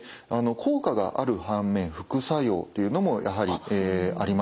効果がある反面副作用というのもやはりあります。